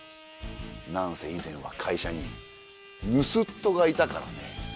何せ以前は会社に盗っ人がいたからね。